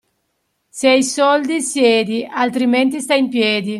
Se hai i soldi siedi altrimenti stai in piedi.